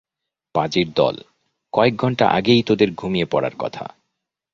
পাজির দল কয়েক ঘন্টা আগেই তোদের ঘুমিয়ে পড়ার কথা।